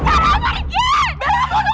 bella aku mau pergi